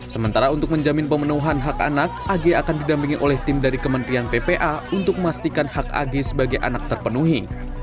sementara untuk menjamin pemenuhan hak anak ag akan didampingi oleh tim dari kementerian ppa untuk memastikan hak ag sebagai anak terpenuhi